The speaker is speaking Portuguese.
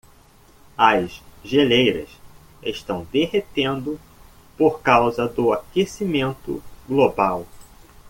As geleiras estão derretendo por causa do aquecimento global.